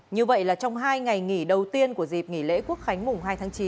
như vậy là trong hai ngày nghỉ đầu tiên của dịp nghỉ lễ quốc khánh mùng hai tháng chín